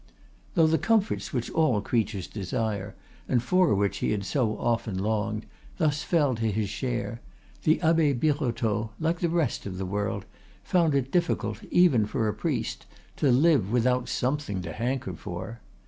Though the comforts which all creatures desire, and for which he had so often longed, thus fell to his share, the Abbe Birotteau, like the rest of the world, found it difficult, even for a priest, to live without something to hanker for.